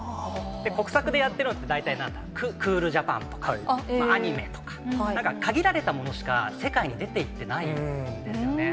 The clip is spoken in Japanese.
国策でやってるのって、大体なんだ、クールジャパンとか、アニメとか、なんか限られたものしか世界に出ていってないんですよね。